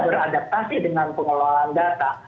beradaptasi dengan pengelolaan data